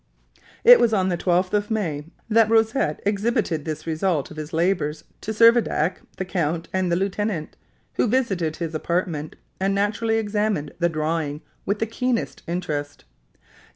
It was on the 12th of May that Rosette exhibited this result of his labors to Servadac, the count, and the lieutenant, who visited his apartment and naturally examined the drawing with the keenest interest.